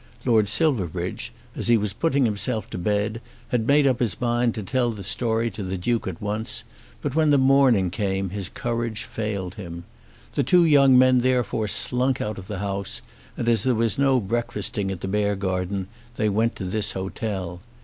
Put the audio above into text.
Lord Silverbridge, as he was putting himself to bed, had made up his mind to tell the story to the Duke at once, but when the morning came his courage failed him. The two young men therefore slunk out of the house, and as there was no breakfasting at the Beargarden they went to this hotel.